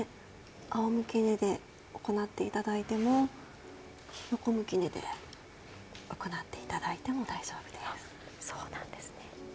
仰向け寝で行っていただいても横向き寝で行っていただいても大丈夫です。